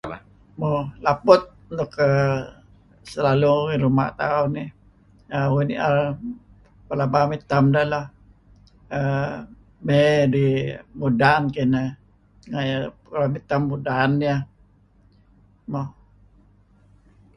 Mo laput nuk selalu ngi raum' tauh nih uih nier pelaba mitem deh may dih mudan kineh. Mitem mudan nieh. Mo.